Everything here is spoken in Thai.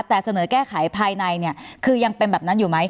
แต่เสนอแก้ไขภายในเนี่ยคือยังเป็นแบบนั้นอยู่ไหม